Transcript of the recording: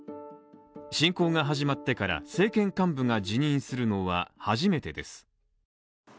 侵攻が始まってから政権幹部が辞任するのは初めてです。